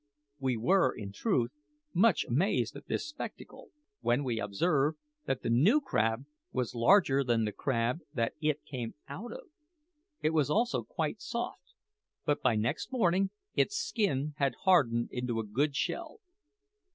We were, in truth, much amazed at this spectacle, and the more so when we observed that the new crab was larger than the crab that it came out of. It was also quite soft, but by next morning its skin had hardened into a good shell.